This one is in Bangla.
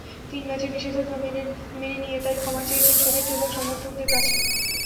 তিন ম্যাচের নিষেধাজ্ঞা মেনে নিয়ে তাই ক্ষমা চেয়েছেন সতীর্থ এবং সমর্থকদের কাছে।